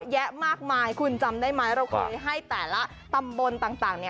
มากมายคุณจำได้ไหมเราเคยให้แต่ละตำบลต่าง